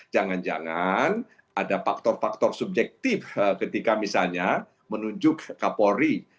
jangan jangan ada faktor faktor subjektif ketika misalnya menunjuk kapolri